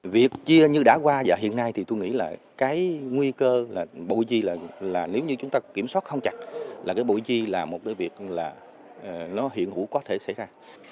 việc chia như đã qua và hiện nay thì tôi nghĩ là cái nguy cơ là bộ chi là nếu như chúng ta kiểm soát không chặt là cái bộ chi là một cái việc là nó hiện hữu có thể xảy ra